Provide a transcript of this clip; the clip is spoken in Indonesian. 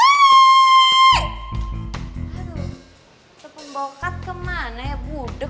itu pembawa kartu kemana ya buda